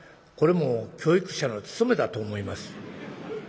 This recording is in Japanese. これも教育者の務めだと思います」。